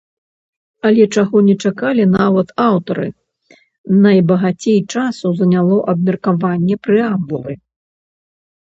Але, чаго не чакалі нават аўтары, найбагацей часу заняло абмеркаванне прэамбулы.